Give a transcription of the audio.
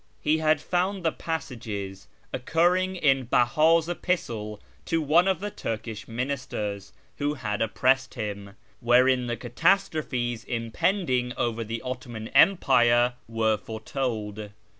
He had found the passages, occurring in Bella's epistle to one of the Turkish ministers who had oppressed him, wherein the catastrophes impending over the Ottoman Empire were foretold.